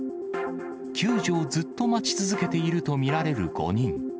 救助をずっと待ち続けていると見られる５人。